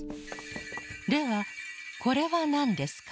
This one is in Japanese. ではこれはなんですか？